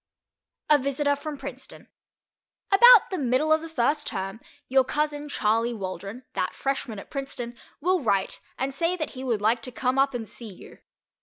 A VISITOR FROM PRINCETON About the middle of the first term your cousin Charley Waldron, that freshman at Princeton, will write and say that he would like to come up and see you.